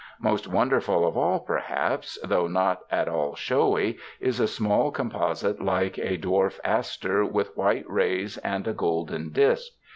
Most wonderful of all, perhaps, though not at all showy, is a small composite like a dwarf aster with white rays and a golden disk.